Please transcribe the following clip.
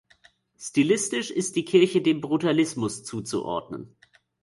Stilistisch ist die Kirche dem Brutalismus zuzuordnen.